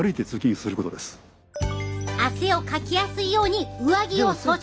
汗をかきやすいように上着を装着！